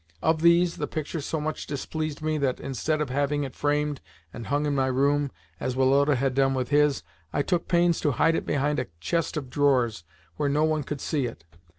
Of these, the picture so much displeased me that, instead of having it framed and hung in my room, as Woloda had done with his, I took pains to hide it behind a chest of drawers, where no one could see it.